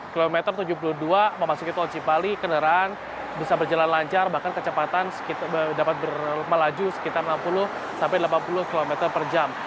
kilometer tujuh puluh dua memasuki tol cipali kendaraan bisa berjalan lancar bahkan kecepatan dapat melaju sekitar satu km